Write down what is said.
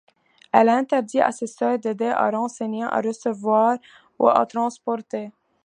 Elle interdit à ses sœurs d’aider à renseigner, à recevoir ou à transporter.